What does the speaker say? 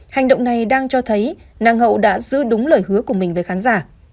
hành động này đang cho thấy nang hậu đã giữ đúng lời hứa của mình với khán giả